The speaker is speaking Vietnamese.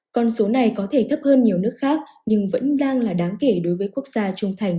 con số này có thể thấp hơn nhiều nước khác nhưng vẫn đang là đáng kể đối với quốc gia trung thành